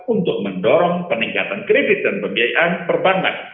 untuk mendorong peningkatan kredit dan pembiayaan perbankan